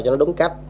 cho nó đúng cách